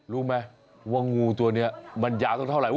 รู้ไหมว่างูตัวนี้มันยาวสักเท่าไหร่